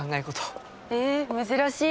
へえ珍しい。